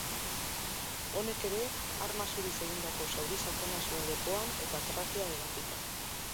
Honek ere arma zuriz egindako zauri sakona zuen lepoan, eta trakea ebakita.